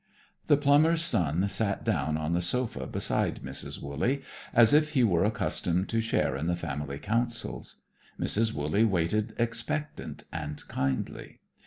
The plumber's son sat down on the sofa beside Mrs. Wooley, as if he were accustomed to share in the family councils. Mrs. Wooley waited expectant and kindly.